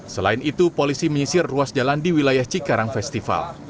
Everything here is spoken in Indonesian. selain itu polisi menyisir ruas jalan di wilayah cikarang festival